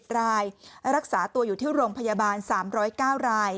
๗รายรักษาตัวอยู่ที่โรงพยาบาล๓๐๙ราย